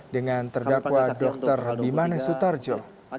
dengan terdakwa dr bimanes sutarjo